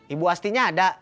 ibu asti nya ada